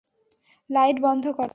Light বন্ধ কর।